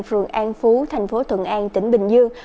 phường an phú thành phố thuận an tỉnh bình dương